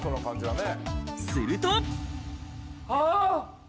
すると。